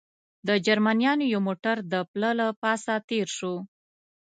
د جرمنیانو یو موټر د پله له پاسه تېر شو.